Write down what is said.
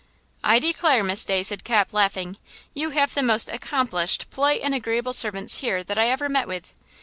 "I declare, Miss Day," said Cap, laughing, "you have the most accomplished, polite and agreeable servants here that I ever met with!